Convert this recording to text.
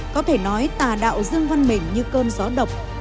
có thể nói tà đạo dương văn mình như cơn gió độc